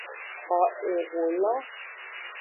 Xo eholo.